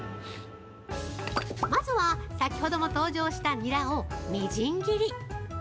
まずは、先ほども登場したニラをみじん切り。